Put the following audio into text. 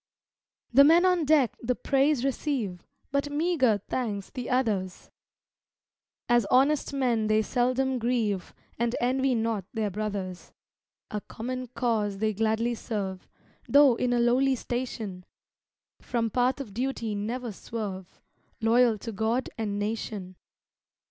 The men on deck the praise receive, But meagre thanks the others; As honest men they seldom grieve, And envy not their brothers; A common cause they gladly serve, Though in a lowly station, From path of duty never swerve Loyal to God and nation.